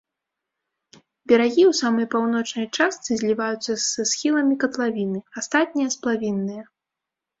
Берагі ў самай паўночнай частцы зліваюцца са схіламі катлавіны, астатнія сплавінныя.